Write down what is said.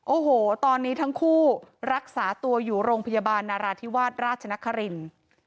โอ้โหตอนนี้ทั้งคู่รักษาตัวอยู่โรงพยาบาลนาราธิวาสราชนครินทร์